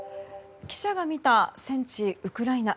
記者が見た戦地ウクライナ。